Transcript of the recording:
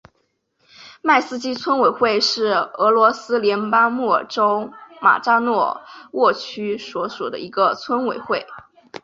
迈斯基村委员会是俄罗斯联邦阿穆尔州马扎诺沃区所属的一个村委员会。